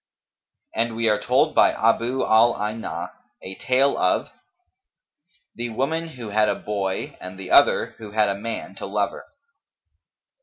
[FN#254] And we are told by Abu al Aynα[FN#255] a tale of THE WOMAN WHO HAD A BOY AND THE OTHER WHO HAD A MAN TO LOVER.